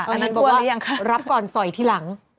อันนั้นบอกว่ารับก่อนสอยทีหลัง